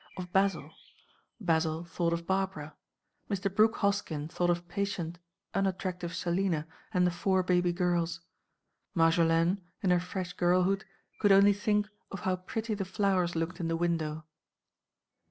—of Basil; Basil thought of Barbara; Mr. Brooke Hoskyn thought of patient, unattractive Selina, and the four baby girls; Marjolaine, in her fresh girlhood, could only think of how pretty the flowers looked in the window.